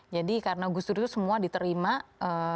jadi karena gus dur itu semua diterima kalau pagi di rumah kami